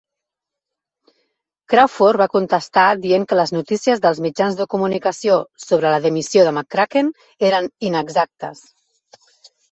Crawford va contestar, dient que les noticies dels mitjans de comunicació sobre la dimissió de McCracken eren "inexactes.